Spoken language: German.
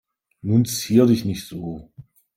Nun zier dich nicht so.